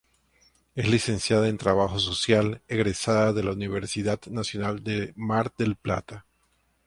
Es Licenciada en Trabajo Social, egresada de la Universidad Nacional de Mar del Plata.